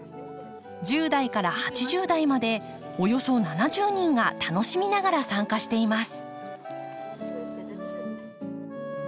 １０代から８０代までおよそ７０人が楽しみながら参加しています。